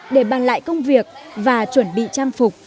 để bàn lại công việc và chuẩn bị trang phục